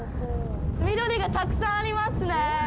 緑がたくさんありますね。